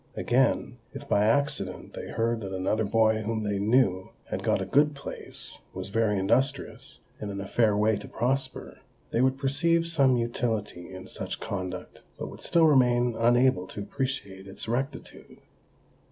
Again, if by accident they heard that another boy whom they knew, had got a good place, was very industrious, and in a fair way to prosper, they would perceive some utility in such conduct, but would still remain unable to appreciate its rectitude.